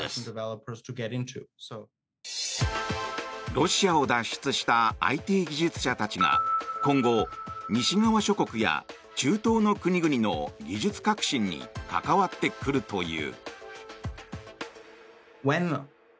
ロシアを脱出したＩＴ技術者たちが今後、西側諸国や中東の国々の技術革新に関わってくるという。